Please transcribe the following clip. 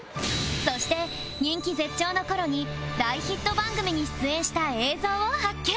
そして人気絶頂の頃に大ヒット番組に出演した映像を発見